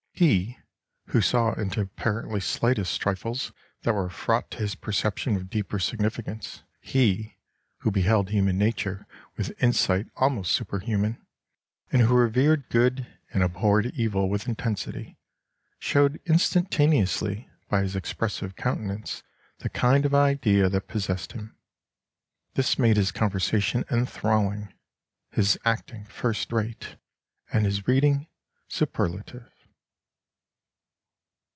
He, who saw into apparently slightest trifles that were fraught to his perception with deeper significance; he, who beheld human nature with insight almost superhuman, and who revered good and abhorred evil with intensity, showed instantaneously by his expressive countenance the kind of idea that possessed him. This made his conversation enthralling, his acting first rate, and his reading superlative."